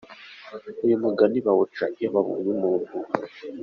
Uyu mugani bawuca iyo babonye umuntu?